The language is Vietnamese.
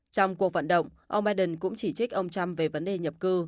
trong cuộc vận động ông biden cũng chỉ trích ông trump về vấn đề nhập cư